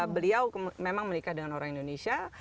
beliau memang menikah dengan orang indonesia